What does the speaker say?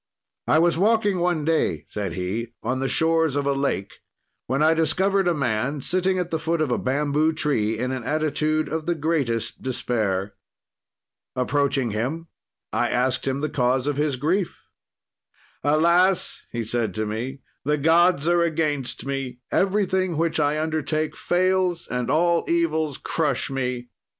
"I was walking one day," said he, "on the shores of a lake, when I discovered a man sitting at the foot of a bamboo tree, in an attitude of the greatest despair. "Approaching him, I asked him the cause of his grief. "'Alas!' said he to me, 'the gods are against me; everything which I undertake fails, and all evils crush me.